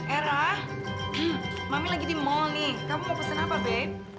eh ra mami lagi di mall nih kamu mau pesen apa babe